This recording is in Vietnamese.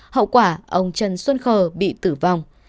hậu quả ông trần xuân khờ bị tử vong